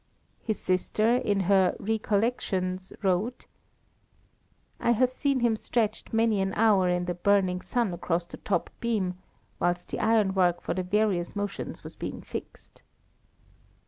His sister, in her Recollections, wrote: "I have seen him stretched many an hour in the burning sun across the top beam, whilst the iron work for the various motions was being fixed."